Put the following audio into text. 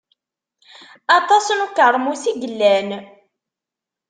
Aṭas n ukermus i yellan.